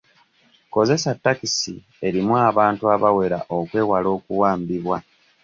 Kozesa ttakisi erimu abantu abawera okwewala okuwambibwa.